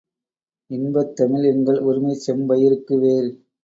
இன்பத்தமிழ் எங்கள் உரிமைச்செம் பயிருக்கு வேர்!